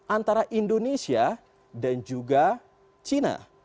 antara indonesia dan juga china